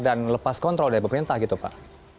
dan lepas kontrol dari pemerintah gitu pak